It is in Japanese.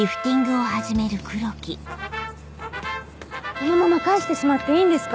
このまま帰してしまっていいんですか？